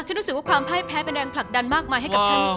รู้สึกว่าความพ่ายแพ้เป็นแรงผลักดันมากมายให้กับฉัน